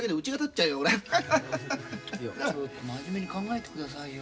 ちょっと真面目に考えて下さいよ。